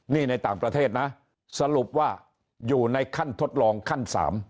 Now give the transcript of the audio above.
นี่ในต่างประเทศนะสรุปว่าอยู่ในขั้นทดลองขั้น๓